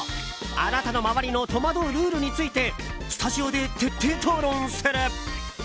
あなたの周りの戸惑うルールについてスタジオで徹底討論する。